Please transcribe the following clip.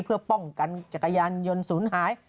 เพื่อป้องกันจักรยานยนต์ศูนย์หาย